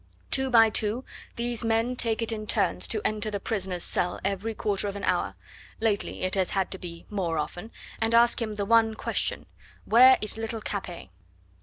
Two by two these men take it in turns to enter the prisoner's cell every quarter of an hour lately it has had to be more often and ask him the one question, 'Where is little Capet?